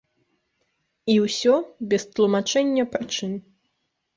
І ўсё, без тлумачэння прычын.